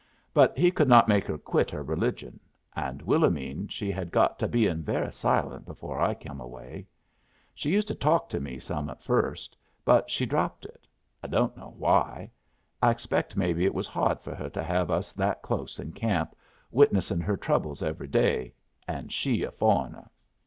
But he could not make her quit her religion; and Willomene she had got to bein' very silent before I come away. She used to talk to me some at first, but she dropped it. I don't know why. I expect maybe it was hard for her to have us that close in camp, witnessin' her troubles every day, and she a foreigner.